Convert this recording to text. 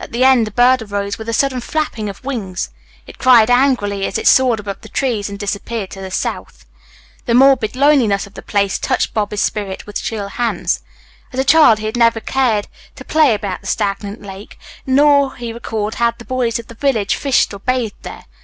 At the end a bird arose with a sudden flapping of wings; it cried angrily as it soared above the trees and disappeared to the south. The morbid loneliness of the place touched Bobby's spirit with chill hands. As a child he had never cared to play about the stagnant lake, nor, he recalled, had the boys of the village fished or bathed there.